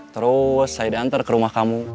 terus saya diantar ke rumah kamu